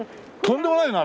とんでもないの？